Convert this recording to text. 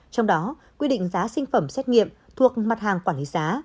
trong đó quy định giá sinh phẩm xét nghiệm thuộc mặt hàng quản lý giá